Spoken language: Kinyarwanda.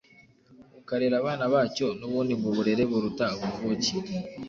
ukarera abana bacyo, n'ubundi ngo Uburere buruta ubuvuke.